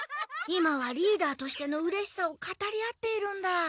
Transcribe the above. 今はリーダーとしてのうれしさを語り合っているんだ。